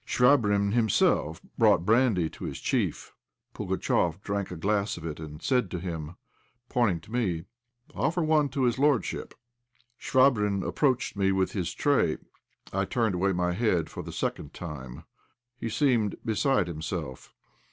Chvabrine himself brought brandy to his chief. Pugatchéf drank a glass of it, and said to him, pointing to me "Offer one to his lordship." Chvabrine approached me with his tray. I turned away my head for the second time. He seemed beside himself.